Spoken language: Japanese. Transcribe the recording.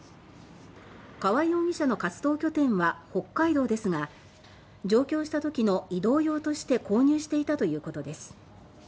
川合容疑者の活動拠点は北海道ですが上京した時の移動用として購入していたということです。